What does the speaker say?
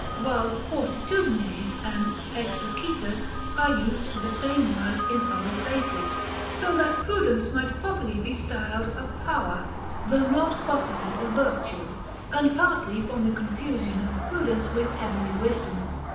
while "fortitudines" and "exercitus" are used for the same word in other places), so that Prudence might properly be styled a power, though not properly a virtue; and partly from the confusion of Prudence with Heavenly Wisdom.